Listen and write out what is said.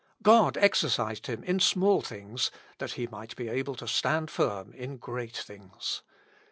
God exercised him in small things that he might be able to stand firm in great things.